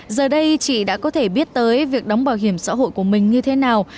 giờ đây chị đã có thể biết tới việc đóng bảo hiểm xã hội của mình như thế nào